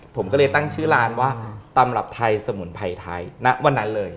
ผมก็เลยตั้งชื่อร้านว่าตำรับไทยสมุนไพรไทยณวันนั้นเลย